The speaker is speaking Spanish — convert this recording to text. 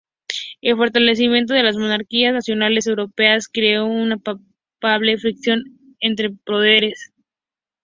El fortalecimiento de las monarquías nacionales europeas creó una palpable fricción entre poderes.